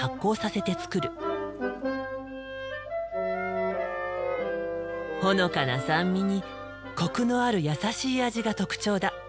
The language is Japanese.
ほのかな酸味にコクのあるやさしい味が特徴だ。